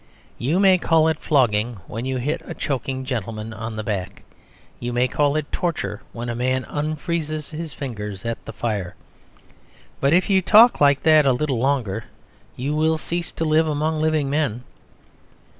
You may call it flogging when you hit a choking gentleman on the back; you may call it torture when a man unfreezes his fingers at the fire; but if you talk like that a little longer you will cease to live among living men.